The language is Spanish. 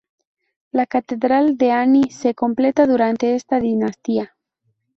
La Catedral de Ani se completa durante esta dinastía.